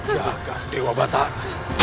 jaga dewa batar